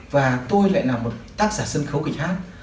và tôi lại là một tác giả sân khấu kịch hát